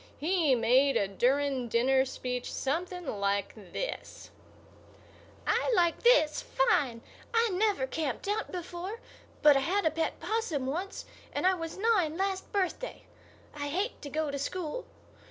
He made a during dinner speech something like this: "I like this fine. I never camped out before; but I had a pet 'possum once, and I was nine last birthday. I hate to go to school.